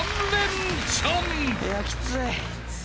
いやきつい。